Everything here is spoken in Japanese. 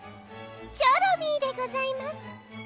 チョロミーでございます。